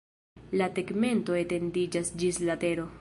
La tegmento etendiĝas ĝis la tero.